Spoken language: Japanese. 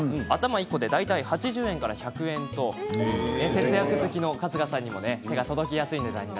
１個大体８０円から１００円で節約好きな春日さんにも手が届きやすいですね。